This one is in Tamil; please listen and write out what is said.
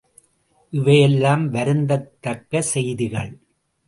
இவையெல்லாம் வருந்தத்தக்க செய்திகள்!